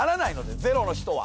ゼロの人は。